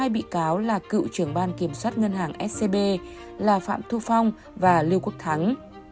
hai bị cáo là cựu trưởng ban kiểm soát ngân hàng scb là phạm thu phong và lưu quốc thắng